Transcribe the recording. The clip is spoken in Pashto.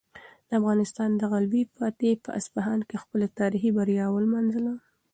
د افغانستان دغه لوی فاتح په اصفهان کې خپله تاریخي بریا ولمانځله.